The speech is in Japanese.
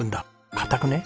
硬くねえ？